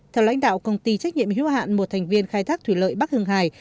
theo lãnh đạo công ty trách nhiệm hiếu hạn một thành viên khai thác thủy lợi bắc hưng hải